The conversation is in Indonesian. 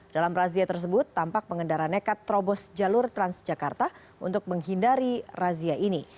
dalam razia tersebut tampak pengendara nekat terobos jalur transjakarta untuk menghindari razia ini